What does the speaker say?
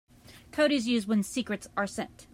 Code is used when secrets are sent.